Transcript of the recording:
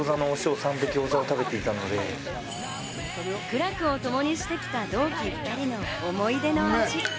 苦楽をともにしてきた同期２人の思い出の味。